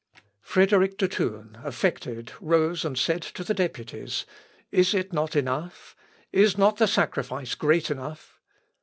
Frederick de Thun affected rose and said to the deputies, "Is it not enough? Is not the sacrifice great enough?"